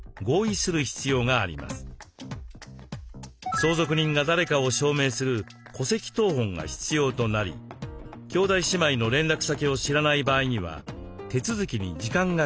相続人が誰かを証明する戸籍謄本が必要となり兄弟姉妹の連絡先を知らない場合には手続きに時間がかかります。